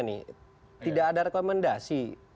nih tidak ada rekomendasi